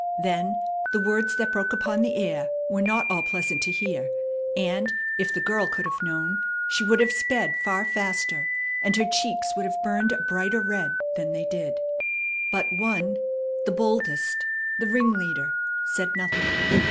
Then the words that broke upon the air were not all pleasant to hear; and, if the girl could have known, she would have sped far faster, and her cheeks would have burned a brighter red than they did. But one, the boldest, the ringleader, said nothing.